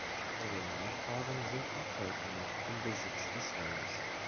Seine Nachfahren sind auch heute noch im Besitz des Landes.